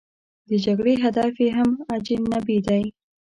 د جګړې هدف یې هم اجنبي دی.